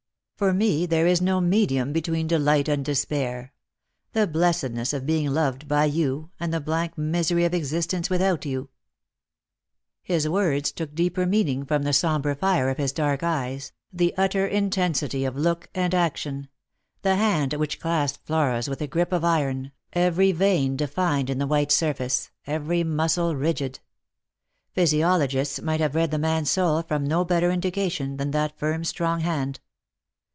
For me there is no medium between delight and despair — the blessedness of being loved by you and the blank misery of existence without His words took deeper meaning from the sombre fire of his dark eyes — the utter intensity of look and action — the hand which clasped Flora's with a grip of iron, every vein defined in the white surface — every muscle rigid. Physiologists might have read the man's soul from no better indication than that firm strong hand.